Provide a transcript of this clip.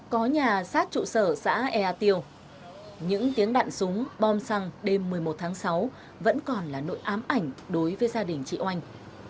có nhà sát trụ sở xã ea tiêu những tiếng đạn súng bom xăng đêm một mươi một tháng sáu vẫn còn là nỗi ám ảnh đối với gia đình chị oanh